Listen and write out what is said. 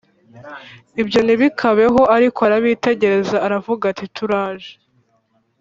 ibyo ntibikabeho Ariko arabitegereza aravuga ati turaje